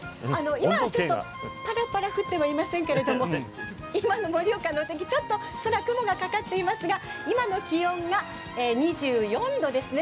今はちょっと、ぱらぱら降ってはいませんけれども、今の盛岡のお天気、ちょっと空、雲がかかっていますが、今の気温が２４度ですね。